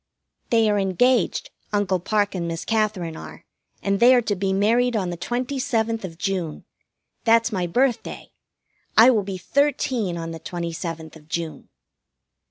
They are engaged. Uncle Parke and Miss Katherine are, and they are to be married on the twenty seventh of June. That's my birthday. I will be thirteen on the twenty seventh of June.